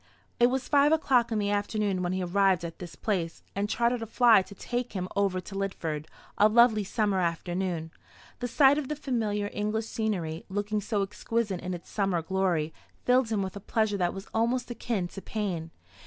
It was five o'clock in the afternoon when he arrived at this place, and chartered a fly to take him over to Lidford a lovely summer afternoon. The sight of the familiar English scenery, looking so exquisite in its summer glory, filled him with a pleasure that was almost akin to pain.